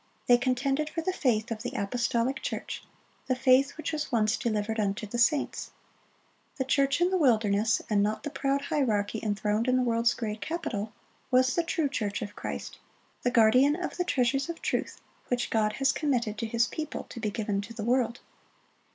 They contended for the faith of the apostolic church,—"the faith which was once delivered unto the saints."(99) "The church in the wilderness," and not the proud hierarchy enthroned in the world's great capital, was the true church of Christ, the guardian of the treasures of truth which God has committed to His people to be given to the world.